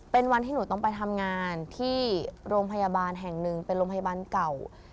เป็นวันที่หนูต้องไปทำงานที่โรงพยาบาลแห่งหนึ่งเป็นโรงพยาบาลเก่า